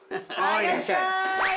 いらっしゃい！